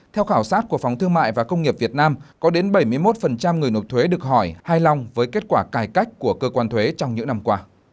theo khảo sát của phóng thương mại và công nghiệp việt nam có đến bảy mươi một người nộp thuế được hỏi hài lòng với kết quả cải cách của cơ quan thuế trong những năm qua